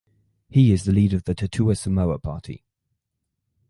He is the leader of the Tautua Samoa Party.